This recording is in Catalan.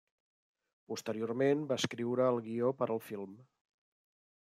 Posteriorment va escriure el guió per al film.